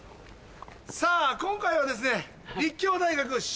さぁ今回はですね。